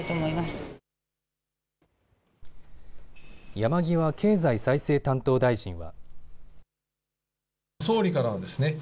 山際経済再生担当大臣は。